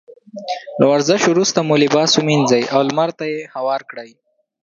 له ورزش وروسته مو لباس ومينځئ او لمر ته يې هوار کړئ.